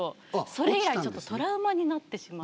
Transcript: それ以来ちょっとトラウマになってしまって。